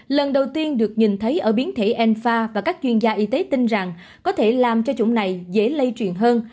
lần đầu tiên được nhìn thấy ở biến thể enfa và các chuyên gia y tế tin rằng có thể làm cho chủng này dễ lây truyền hơn